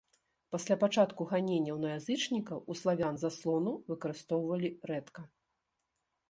Пасля пачатку ганенняў на язычнікаў у славян заслону выкарыстоўвалі рэдка.